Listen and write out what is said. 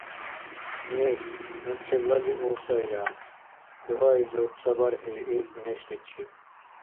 — Неш, ну чеблалиув сайра, — дугьаизур ца бархӀи ил нешличи.